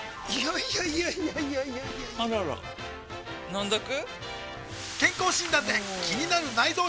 いやいやいやいやあらら飲んどく？